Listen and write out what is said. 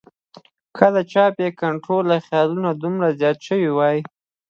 کۀ د چا بې کنټروله خیالونه دومره زيات شوي وي